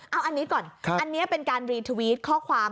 เอาอันนี้ก่อนอันนี้เป็นการรีทวิตข้อความ